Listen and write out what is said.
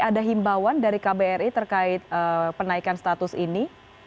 ada himbauan dari kbri terkait penaikan status ini